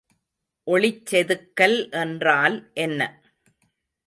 ஒளிச்செதுக்கல் என்றால் என்ன?